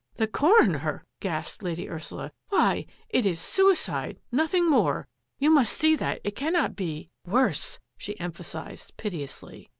" The coroner! " gasped Lady Ursula. " Why, it is suicide — nothing more. You must see that it cannot be — worse^^^ she emphasised, piteously.